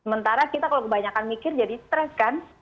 sementara kita kalau kebanyakan mikir jadi stres kan